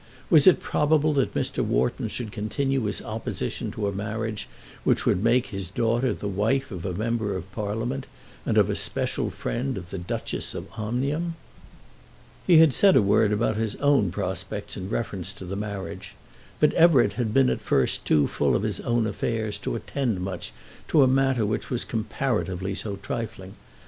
Was it probable that Mr. Wharton should continue his opposition to a marriage which would make his daughter the wife of a member of Parliament and of a special friend of the Duchess of Omnium? He had said a word about his own prospects in reference to the marriage, but Everett had been at first too full of his own affairs to attend much to a matter which was comparatively so trifling.